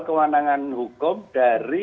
kewenangan hukum dari